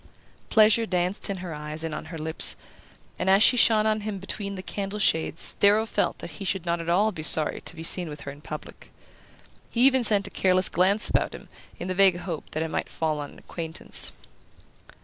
Pleasure danced in her eyes and on her lips, and as she shone on him between the candle shades Darrow felt that he should not be at all sorry to be seen with her in public. He even sent a careless glance about him in the vague hope that it might fall on an acquaintance.